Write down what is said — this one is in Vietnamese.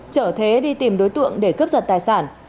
trở thế đi tìm đối tượng để cướp giật tài sản